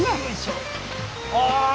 ああ！